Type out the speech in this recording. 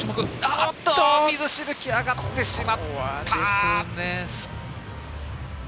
おっと、水しぶきが上がってしまった。